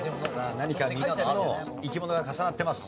何か３つの生き物が重なってます。